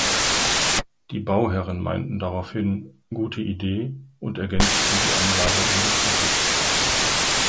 Die Bauherren meinten daraufhin "gute Idee" und ergänzten die Anlage um die Kappe.